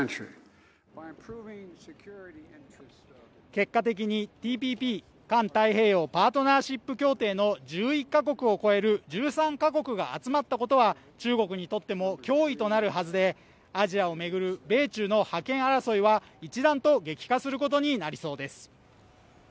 結果的にＴＰＰ＝環太平洋パートナーシップ協定の１１カ国を超える１３カ国が集まったことは中国にとっても脅威となるはずでアジアを巡る米中の覇権争いは一段と激化することになりそうです。